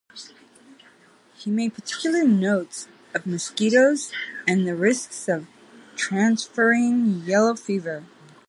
He made particular note of mosquitoes and the risk of transferring yellow fever.